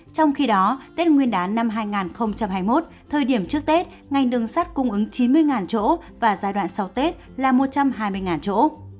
trong khi đó tết nguyên đán năm hai nghìn hai mươi một thời điểm trước tết ngành đường sắt cung ứng chín mươi chỗ và giai đoạn sau tết là một trăm hai mươi chỗ